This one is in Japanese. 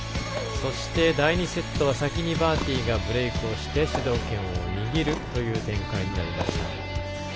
そして、第２セットは先にバーティがブレークをして主導権を握るという展開になりました。